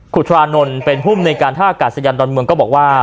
ขุดธรานนทร์เป็นผู้ในการท่าอากาศสัญญาณตอนเมืองก็บอกว่า